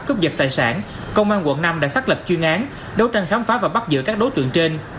cướp giật tài sản công an quận năm đã xác lập chuyên án đấu tranh khám phá và bắt giữ các đối tượng trên